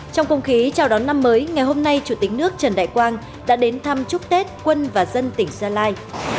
trong không khí chào đón năm mới ngày hôm nay chủ tịch nước trần đại quang đã đến thăm chúc tết quân và dân tỉnh gia lai